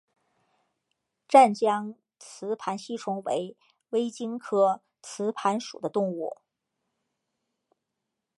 湛江雌盘吸虫为微茎科雌盘属的动物。